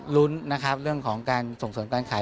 รุ้นเรื่องของส่งสนการขาย